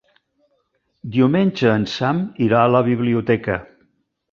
Diumenge en Sam irà a la biblioteca.